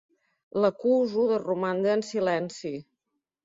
L'acuso de romandre en silenci.